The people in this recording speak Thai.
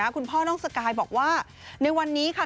คุณพ่อน้องสกายบอกว่าในวันนี้ค่ะ